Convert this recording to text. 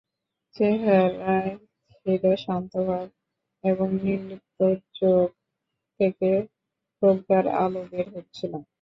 চেহারায় ছিল শান্ত ভাব এবং নির্লিপ্ত চোখ থেকে প্রজ্ঞার আলো বের হচ্ছিল।